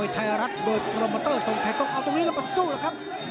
ไทยรัฐโดยโปรโมเตอร์ทรงไทยต้องเอาตรงนี้แล้วมาสู้แล้วครับ